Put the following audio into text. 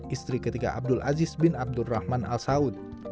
istri ketiga abdul aziz bin abdul rahman al saud